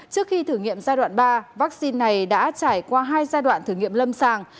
trước khi thử nghiệm giai đoạn ba vaccine này đã trải qua hai giai đoạn thử nghiệm lâm sàng